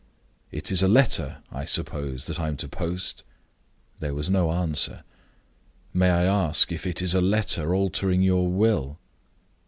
"It is a letter, I suppose, that I am to post?" There was no answer. "May I ask if it is a letter altering your will?"